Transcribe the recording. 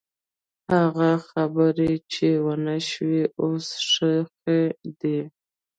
هغه خبرې چې ونه شوې، اوس ښخې دي.